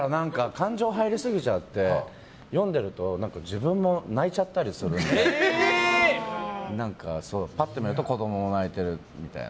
感情入りすぎちゃって読んでいると自分も泣いちゃったりするのでぱっと見ると子供も泣いてるみたいな。